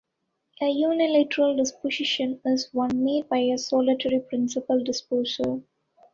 A unilateral disposition is one made by a solitary principal disposer.